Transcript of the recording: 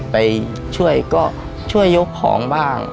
ไปช่วยก็ช่วยยกของบ้าง